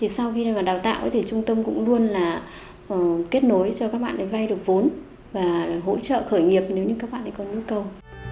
sau khi đào tạo thì trung tâm cũng luôn kết nối cho các bạn vay được vốn và hỗ trợ khởi nghiệp nếu như các bạn có nhu cầu